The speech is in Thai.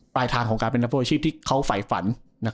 ปลายทางของการเป็นชุดอาการที่เขาใฝ่ฝัน